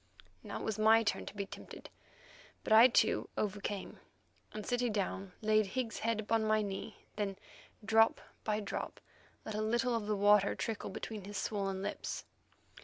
Now it was my turn to be tempted, but I, too, overcame, and, sitting down, laid Higgs's head upon my knee; then, drop by drop, let a little of the water trickle between his swollen lips.